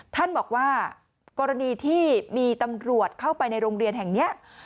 ท่านบอกว่ากรณีที่มีตำรวจเข้าไปในโรงเรียนแห่งนี้